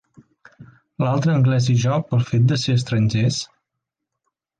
L'altre anglès i jo, pel fet de ser estrangers...